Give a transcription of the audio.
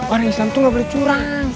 orang islam tuh gak boleh curang